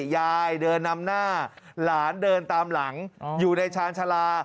เดินนำหน้าหลานเดินตามหลังอยู่ในชาญชาลา